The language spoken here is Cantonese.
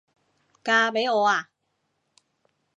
嫁畀我吖？